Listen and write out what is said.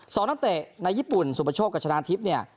ส่อนักเตะในญี่ปุ่นสุปชกกับชนะทิพย์